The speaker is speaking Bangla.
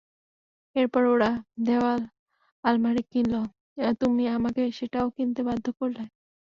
এরপর ওরা দেয়াল আলমারি কিনল, তুমি আমাকে সেটাও কিনতে বাধ্য করলে।